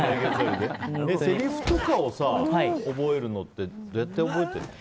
せりふとか覚えるのってどうやって覚えてるの？